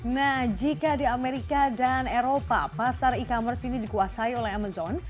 nah jika di amerika dan eropa pasar e commerce ini dikuasai oleh amazon